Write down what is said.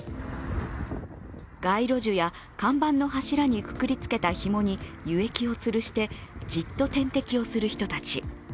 街路樹や看板の柱にくくりつけたひもに輸液をつるして、じっと点滴をする人たち。